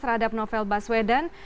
terhadap novel baswedan